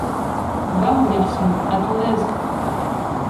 Va, mon garçon, à ton aise.